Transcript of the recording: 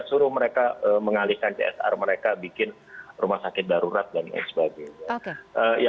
suruh mereka mengalihkan csr mereka bikin rumah sakit darurat dan lain sebagainya